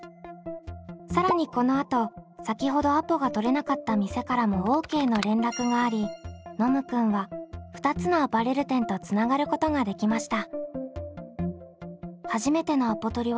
更にこのあと先ほどアポが取れなかった店からもＯＫの連絡がありノムくんは２つのアパレル店とつながることができました。